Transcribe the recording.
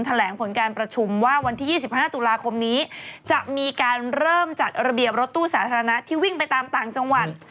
แถลงผลการประชุมว่าวันที่๒๕ตุลาคมนี้จะมีการเริ่มจัดระเบียบรถตู้สาธารณะที่วิ่งไปตามต่างจังหวัด